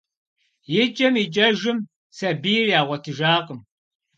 Икӏэм-икӏэжым сабийр ягъуэтыжакъым.